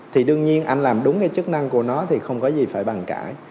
thì đương nhiên anh làm đúng cái chức năng của nó thì không có gì phải bằng cả